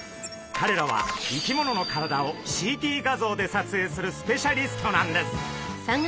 かれらは生き物の体をＣＴ画像でさつえいするスペシャリストなんです。